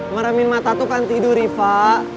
meremin mata tuh kan tidur rifat